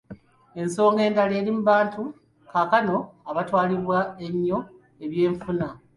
Ensonga endala eri nti abantu kaakano batwalizibbwa nnyo ebyenfuna.